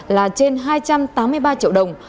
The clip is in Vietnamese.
là trên hai trăm tám mươi ba triệu đồng